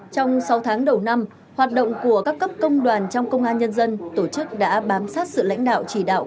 trong sáu tháng đầu năm hoạt động của các cấp công đoàn trong công an nhân dân tổ chức đã bám sát sự lãnh đạo chỉ đạo